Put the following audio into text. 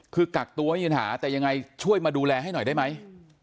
คือกักตัวไม่มีปัญหาแต่ยังไงช่วยมาดูแลให้หน่อยได้ไหม